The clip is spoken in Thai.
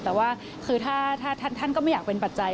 แต่ว่าคือถ้าท่านก็ไม่อยากเป็นปัจจัย